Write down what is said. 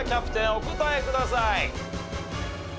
お答えください。